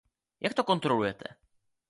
Jak to kontrolujete?